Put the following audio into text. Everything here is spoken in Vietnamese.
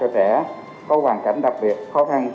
nó giúp trẻ có hoàn cảnh đặc biệt khó khăn